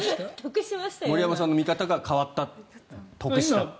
森山さんの見方が変わった、得したと。